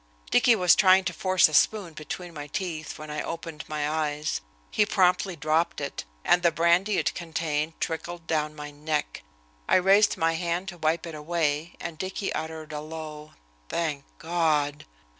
Dicky was trying to force a spoon between my teeth when I opened my eyes. He promptly dropped it, and the brandy it contained trickled down my neck. I raised my hand to wipe it away, and Dicky uttered a low, "Thank God!"